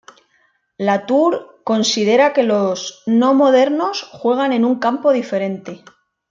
Latour considera que los no-modernos juegan en un campo diferente.